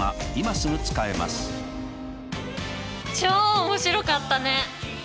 これで超面白かったね。